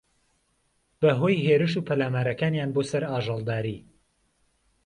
بەھۆی ھێرش و پەلامارەکانیان بۆسەر ئاژەڵداری